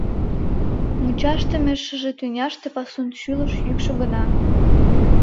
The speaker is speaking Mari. Мучашдыме шыже тӱняште Пасун шӱлыш йӱкшӧ гына…